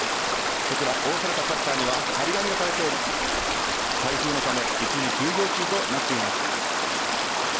下ろされたシャッターには張り紙がされており台風のため一時休業中となっています。